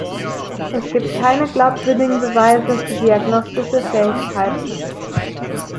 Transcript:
Es gibt keine glaubwürdigen Beweise für diagnostische Fähigkeiten.